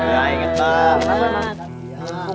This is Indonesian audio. ya inget pak